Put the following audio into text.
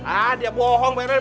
ah dia bohong pak herwi